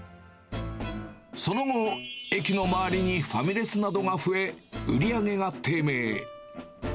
その後、駅の周りにファミレスなどが増え、売り上げが低迷。